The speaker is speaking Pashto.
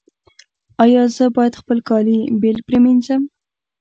ایا زه باید خپل کالي بیل پریمنځم؟